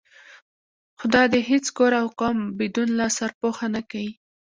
خدا دې هېڅ کور او قوم بدون له سرپوښه نه کوي.